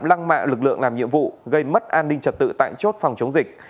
lăng mạ lực lượng làm nhiệm vụ gây mất an ninh trật tự tại chốt phòng chống dịch